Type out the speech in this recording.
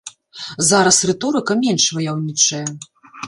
Зараз рыторыка менш ваяўнічая.